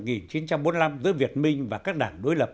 giữa việt minh và các đảng đối lập